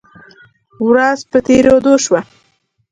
ورځ په تیریدو شوه